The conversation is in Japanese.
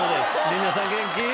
皆さん元気？